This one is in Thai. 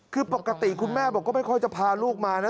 คือปกติคุณแม่บอกก็ไม่ค่อยจะพาลูกมานะ